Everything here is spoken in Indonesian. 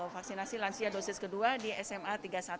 vaksinasi lansia dosis kedua di sma tiga puluh satu